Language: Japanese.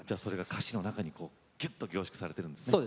歌詞の中にギュッと凝縮されているんですね。